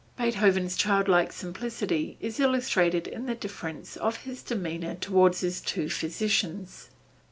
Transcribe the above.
Beethoven's childlike simplicity is illustrated in the difference of his demeanor toward his two physicians.